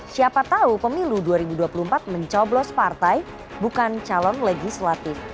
siapa tahu pemilu dua ribu dua puluh empat mencoblos partai bukan calon legislatif